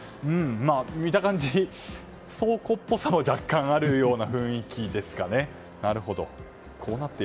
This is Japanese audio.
見た感じ、倉庫っぽさも若干ある雰囲気ですかね。